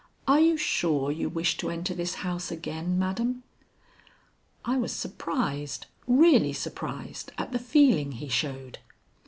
Are you sure you wish to enter this house again, madam?" I was surprised really surprised at the feeling he showed.